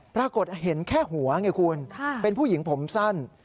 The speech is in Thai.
ปรากฏเห็นแค่หัวไงคุณเป็นผู้หญิงผมสั้น